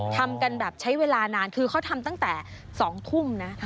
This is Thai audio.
ทำกันแบบใช้เวลานานคือเขาทำตั้งแต่๒ทุ่มนะ